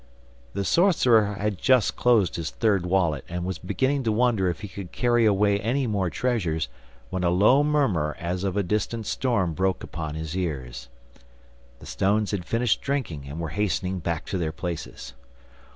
The sorcerer had just closed his third wallet, and was beginning to wonder if he could carry away any more treasures when a low murmur as of a distant storm broke upon his ears. The stones had finished drinking, and were hastening back to their places.